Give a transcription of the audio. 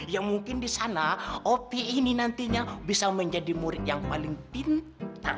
yang mungkin di sana opi ini nantinya bisa menjadi murid yang paling pintar